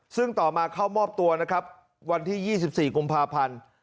ซึ่งต่อมาเข้ามอบตัวนะครับวันที่๒๔กุมภาพันธ์